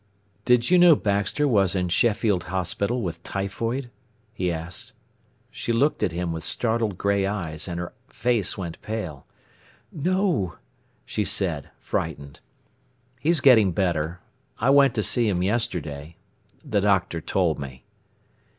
"Did you know Baxter was in Sheffield Hospital with typhoid?" he asked. She looked at him with startled grey eyes, and her face went pale. "No," she said, frightened. "He's getting better. I went to see him yesterday—the doctor told me."